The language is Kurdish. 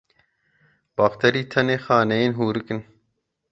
Bakterî tenê xaneyên hûrik in.